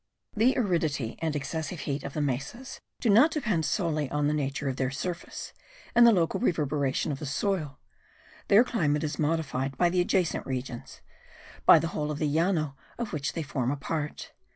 The aridity and excessive heat of the mesas do not depend solely on the nature of their surface and the local reverberation of the soil; their climate is modified by the adjacent regions; by the whole of the Llano of which they form a part.